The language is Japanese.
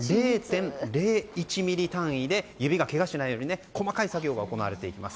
０．０１ｍｍ単位で指がけがしないように細かい作業が行われていきます。